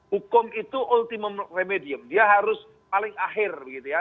hukum itu ultimum remedium dia harus paling akhir begitu ya